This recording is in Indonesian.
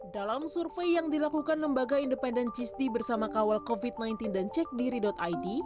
dalam survei yang dilakukan lembaga independen cisdi bersama kawal covid sembilan belas dan cekdiri id